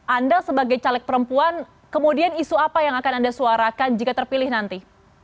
anda sebagai caleg perempuan kemudian isu apa yang akan anda suarakan jika terpilih nanti